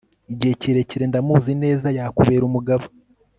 igihe kirekire ndamuzi neza yakubera umugabo